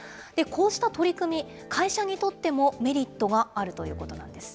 こうした取り組み、会社にとっても、メリットがあるということなんです。